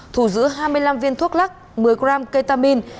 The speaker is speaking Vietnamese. thù giữ hai mươi năm viên thuốc lắc một mươi gram ketamine